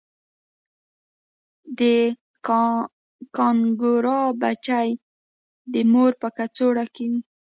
د کانګارو بچی د مور په کڅوړه کې وي